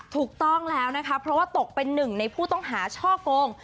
ถูกต้องแล้วนะคะเพราะว่าตกเป็นหนึ่งในผู้ต้องหาช่อกง